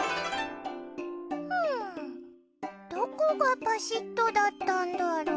うんどこがパシッとだったんだろう？